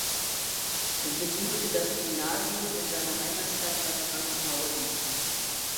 Er besuchte das Gymnasium in seiner Heimatstadt Bad Frankenhausen.